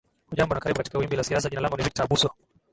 hujambo na karibu katika wimbi la siasa jina langu ni victor abuso